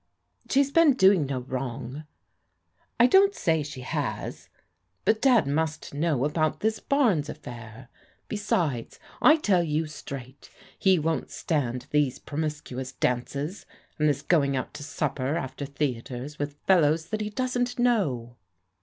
" She's been doing no wrong." " I don't say she has ; but Dad must know about this Barnes affair. Besides, I tell you straight, he won't stand these promiscuous dances, and this going out to supper after theatres with fellows that he doesn't know."